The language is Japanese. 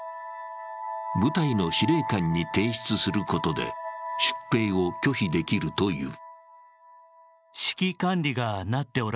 部隊の司令官に提出することで出兵を拒否できるという。